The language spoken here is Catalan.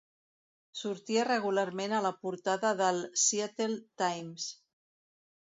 Sortia regularment a la portada del 'Seattle Times'.